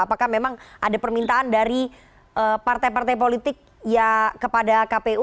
apakah memang ada permintaan dari partai partai politik ya kepada kpu